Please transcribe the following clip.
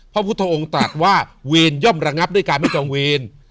พระพุทธองค์ตรัสว่าเวรย่อมระงับด้วยการไม่จองเวร